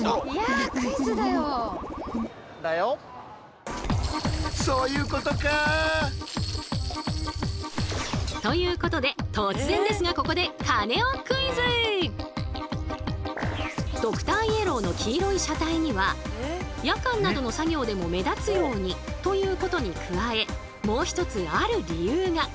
いやクイズだよ。ということで突然ですがここでドクターイエローの黄色い車体には夜間などの作業でも目立つようにということに加えもう一つある理由が！